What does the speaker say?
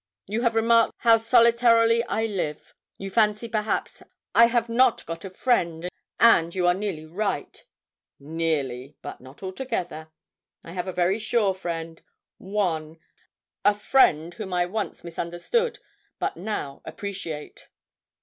You have remarked how solitarily I live. You fancy, perhaps, I have not got a friend, and you are nearly right nearly, but not altogether. I have a very sure friend one a friend whom I once misunderstood, but now appreciate.'